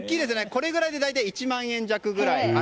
これぐらいで１万円弱ぐらい。